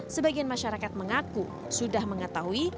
sebagian masyarakat mengaku sudah mengetahui